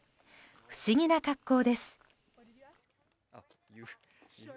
不思議な格好です。